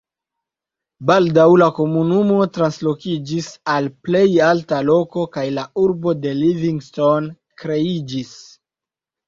Baldaŭ la komunumo translokiĝis al plej alta loko kaj la urbo de Livingstone kreiĝis.